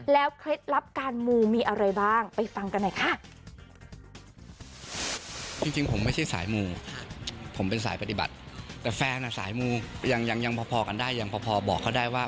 เคล็ดลับการมูมีอะไรบ้างไปฟังกันหน่อยค่ะ